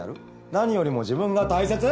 何よりも自分が大切！？